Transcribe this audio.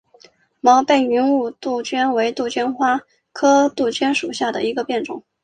毛背云雾杜鹃为杜鹃花科杜鹃属下的一个变种。